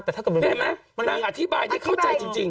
ได้ไหมนางอธิบายได้เข้าใจจริง